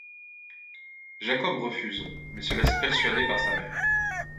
Jakob refuse, mais se laisse persuader par sa mère.